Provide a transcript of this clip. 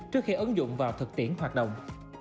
trước khi ứng dụng vào thực tiễn hoạt động